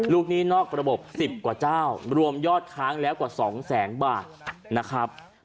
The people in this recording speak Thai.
หนี้นอกระบบ๑๐กว่าเจ้ารวมยอดค้างแล้วกว่า๒แสนบาทนะครับ